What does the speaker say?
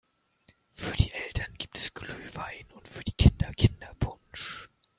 Für die Eltern gibt es Glühwein und für die Kinder Kinderpunsch.